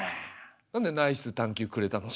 なんでナイス探究くれたの？